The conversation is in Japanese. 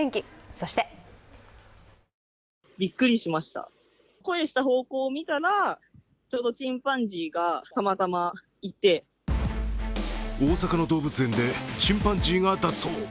そして大阪の動物園でチンパンジーが脱走。